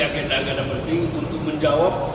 agenda agenda penting untuk menjawab